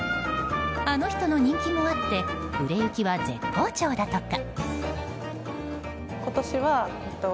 あの人の人気もあって売れ行きは絶好調だとか。